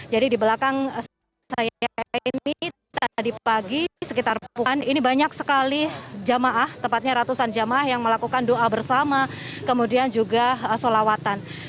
di belakang saya ini tadi pagi sekitar pukulan ini banyak sekali jamaah tepatnya ratusan jamaah yang melakukan doa bersama kemudian juga solawatan